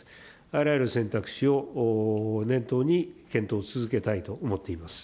あらゆる選択肢を念頭に、検討を続けたいと思っています。